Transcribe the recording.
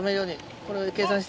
これを計算して。